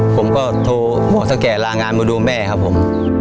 ผมก็โทรหมอเท่าแก่ลางานมาดูแม่ครับผม